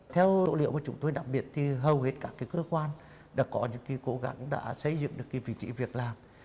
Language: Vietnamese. theo tổ liệu mà chúng tôi đặc biệt thì hầu hết cả cái cơ quan đã có những cái cố gắng đã xây dựng được cái vị trí việc làm